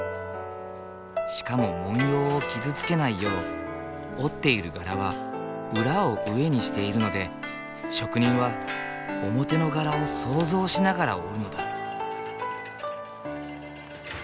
しかも文様を傷つけないよう織っている柄は裏を上にしているので職人は表の柄を想像しながら織るのだ。